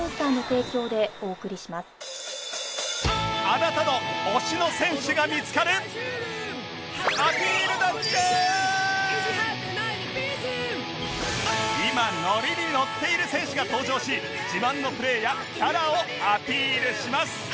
あなたの今ノリにノッている選手が登場し自慢のプレーやキャラをアピールします！